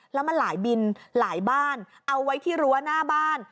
แล้วมันหลายบินหลายบ้านเอาไว้ที่รั้วหน้าบ้าน